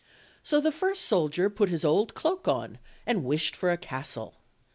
So the first soldier put his old cloak on and wished for a castle.